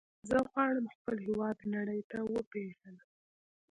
زه غواړم خپل هېواد نړۍ ته وپیژنم.